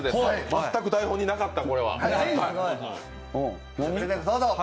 全く台本になかった。